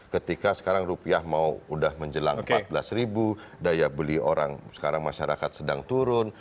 ketika sekarang rupiah mau udah menjelang empat belas ribu daya beli orang sekarang masyarakat sedang turun